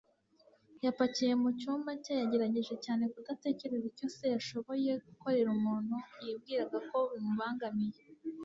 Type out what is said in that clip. Yapakiye mu cyumba cye, yagerageje cyane kudatekereza icyo se yashoboye gukorera umuntu yibwiraga ko bimubangamiye.